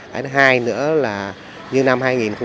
cái thứ hai nữa là như năm hai nghìn một mươi tám